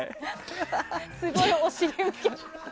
すごいお尻向けて。